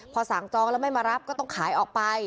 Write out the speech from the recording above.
พอสั่งจองแล้วไม่มารับก็ต้องขายออกไป